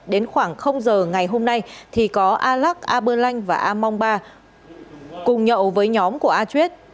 đến khoảng h ngày hôm nay thì có a lắc a bơ lanh và a mong ba cùng nhậu với nhóm của a chuyết